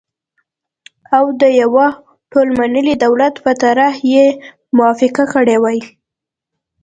او د يوه ټول منلي دولت په طرحه یې موافقه کړې وای،